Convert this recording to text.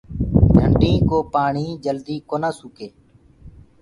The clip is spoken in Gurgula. ڌنڊينٚ ڪو پآڻي جدي ڪونآ سُکي۔